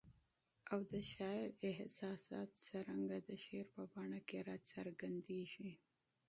او د شاعر احساسات څرنګه د شعر په بڼه کي را څرګندیږي؟